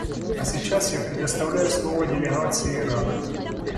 А сейчас я предоставляю слово делегации Ирака.